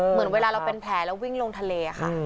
เหมือนเวลาเราเป็นแผลแล้ววิ่งลงทะเลค่ะ